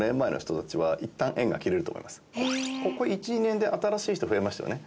ここ１２年で新しい人増えましたよね？